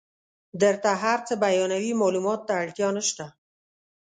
درته هر څه بیانوي معلوماتو ته اړتیا نشته.